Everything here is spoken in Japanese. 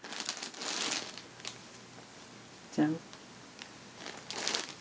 じゃん。